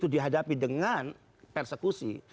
dihadapi dengan persekusi